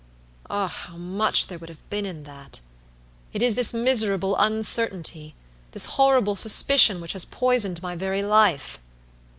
Ah, how much there would have been in that. It is this miserable uncertainty, this horrible suspicion which has poisoned my very life."